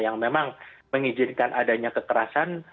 yang memang mengizinkan adanya kekerasan